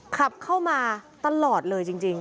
ขับเข้ามาตลอดเลยจริง